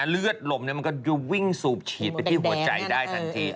เลือดลมมันก็วิ่งสูบฉีดไปที่หัวใจได้ทันที